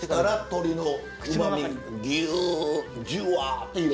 鶏のうまみぎゅじゅわっていう。